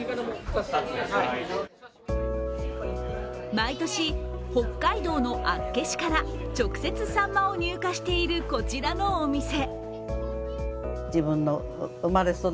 毎年、北海道の厚岸から直接さんまを入荷している、こちらのお店。